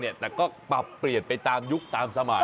แต่ก็ปรับเปลี่ยนไปตามยุคตามสมัย